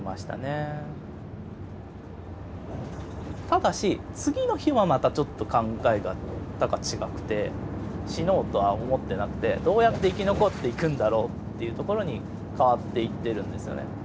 ただし次の日はまたちょっと考えが何か違くて死のうとは思ってなくてどうやって生き残っていくんだろうっていうところに変わっていってるんですよね。